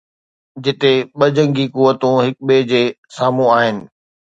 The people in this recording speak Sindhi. جتي ٻه جنگي قوتون هڪ ٻئي جي سامهون آهن.